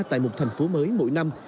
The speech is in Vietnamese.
tại một thành phố mới mỗi năm